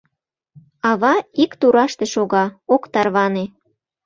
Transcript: Ава ик тураште шога, ок тарване